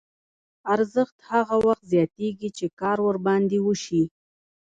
ارزښت هغه وخت زیاتېږي چې کار ورباندې وشي